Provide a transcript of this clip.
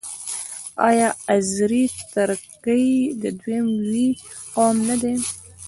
آیا آذری ترکګي دویم لوی قوم نه دی؟